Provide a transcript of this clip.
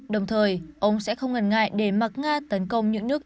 đồng thời ông sẽ không ngần ngại để mặc nga tấn công những nước yếu tố